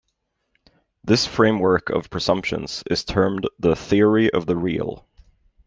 This framework of presumptions is termed the Theory of the Real.